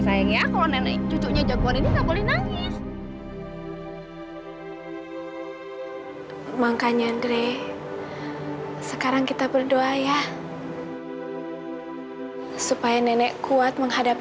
sampai jumpa di video selanjutnya